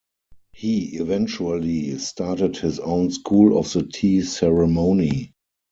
He eventually started his own school of the tea ceremony.